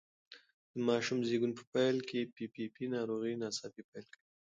د ماشوم زېږون په پیل کې پي پي پي ناروغي ناڅاپي پیل کوي.